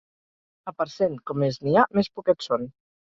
A Parcent, com més n'hi ha, més poquets són.